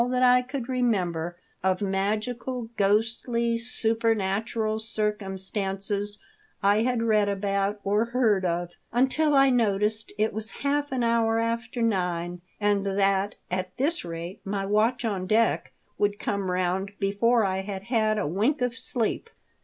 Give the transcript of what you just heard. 1/ that I could remember of magical, ghostly, supernatural circumstances I had read about or heard of, until I noticed it was half an hour after nine, and that, at this rate, my watch on deck would come round before I had had a wink of sleep.